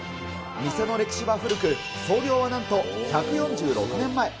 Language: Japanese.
店の歴史は古く、創業はなんと１４６年前。